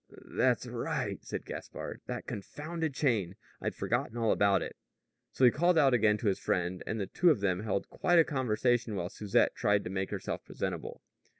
"That's right," said Gaspard. "That confounded chain! I'd forgotten all about it." So he called out again to his friend, and the two of them held quite a conversation while Susette tried to make herself presentable.